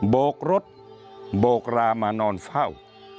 โบกรถโบกรามานอนเฝ้า